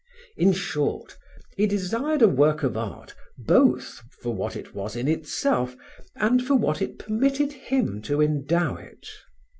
In short, he desired a work of art both for what it was in itself and for what it permitted him to endow it.